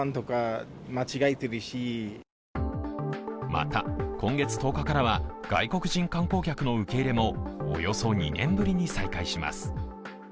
また今月１０日からは外国人観光客の受け入れもおよそ２年ぶりに再開します。